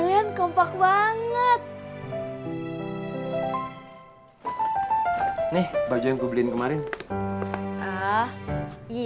gue tapi kau gasih banget yang apa kalo disini nihfle ini